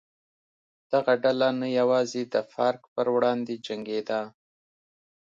دغه ډله نه یوازې د فارک پر وړاندې جنګېده.